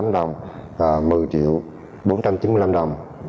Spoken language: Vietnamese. bảy trăm hai mươi tám đồng và một mươi triệu bốn trăm chín mươi năm đồng